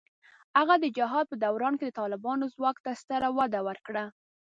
هغه د جهاد په دوران کې د طالبانو ځواک ته ستره وده ورکړه.